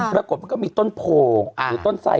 ปรากฏมันก็มีต้นโพหรือต้นไส